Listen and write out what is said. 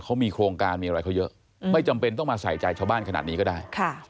เขามีโครงการมีอะไรเขาเยอะไม่จำเป็นต้องมาใส่ใจชาวบ้านขนาดนี้ก็ได้